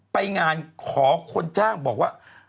ไปงานขอคนจ้างบอกว่า